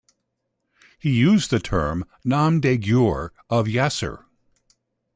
He used the "nom-de-guerre" of "Yassir".